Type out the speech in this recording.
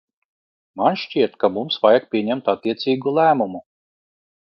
Man šķiet, ka mums vajag pieņemt attiecīgu lēmumu.